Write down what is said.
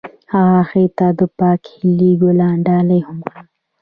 هغه هغې ته د پاک هیلې ګلان ډالۍ هم کړل.